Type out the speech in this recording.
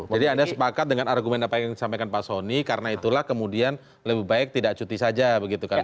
jadi anda sepakat dengan argumen apa yang disampaikan pak sony karena itulah kemudian lebih baik tidak cuti saja begitu kan